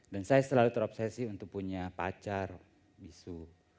dan saya selalu terobsesi untuk punya pacar bisu